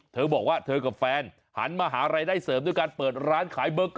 เธอบอกว่าเธอกับแฟนหันมาหารายได้เสริมด้วยการเปิดร้านขายเบอร์๙